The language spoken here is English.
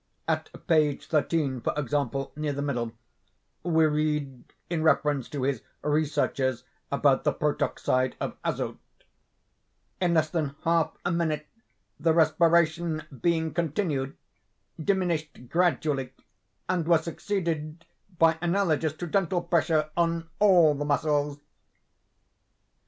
At page 13, for example, near the middle, we read, in reference to his researches about the protoxide of azote: 'In less than half a minute the respiration being continued, diminished gradually and were succeeded by analogous to gentle pressure on all the muscles.